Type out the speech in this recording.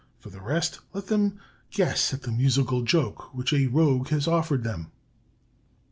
For the rest, let them guess at the musical joke which a Rogue has offered them."